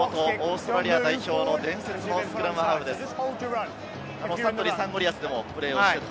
元オーストラリア代表の伝説のスクラムハーフです。